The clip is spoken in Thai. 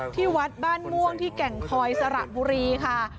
ที่วัดบ้านม่วงที่แก่งคอยสระบุรีค่ะ